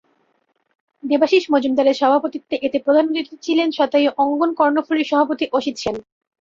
দেবাশীষ মজুমদারের সভাপতিত্বে এতে প্রধান অতিথি ছিলেন শতায়ু অঙ্গন কর্ণফুলীর সভাপতি অসিত সেন।